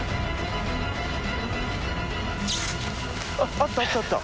あったあったあった。